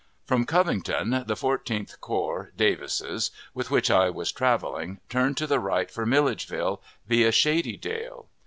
From Covington the Fourteenth Corps (Davis's), with which I was traveling, turned to the right for Milledgeville, via Shady Dale.